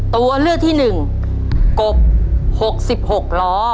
ตัวเลือกที่๑กบ๖๖ล้อ